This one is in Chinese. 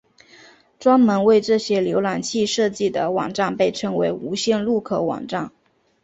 专门为这些浏览器设计的网站被称为无线入口网站。